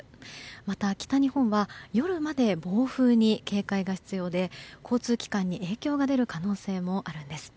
また、北日本は夜まで暴風に警戒が必要で交通機関に影響が出る可能性もあるんです。